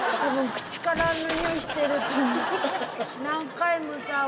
何回もさ。